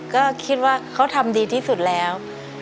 ก็คิดว่าเขาทำดีที่สุดแล้ว